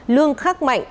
lương khắc mạnh